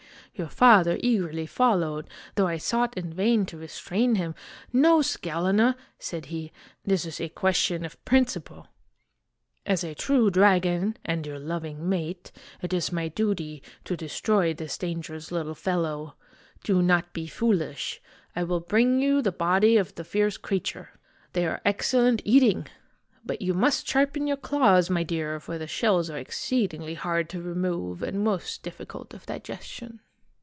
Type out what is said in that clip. " Your father eagerly followed, though I sought in vain to re strain him. ' No, Scalena,' said he. ' This is a question of prin ciple ! As a true dragon and your loving mate, it is my duty to destroy this dangerous little fellow. Do not be foolish ; I will bring THE DRAGON'S STORY 33 you the body of the fierce creature. They are excellent eating. But you must sharpen your claws, my clear, for the shells are exceedingly hard to remove and most difficult of digestion.